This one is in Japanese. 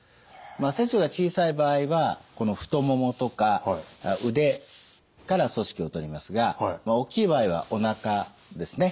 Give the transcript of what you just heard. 切除が小さい場合はこの太ももとか腕から組織を取りますが大きい場合はおなかですね